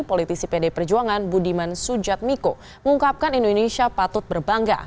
politisi pd perjuangan budiman sujatmiko mengungkapkan indonesia patut berbangga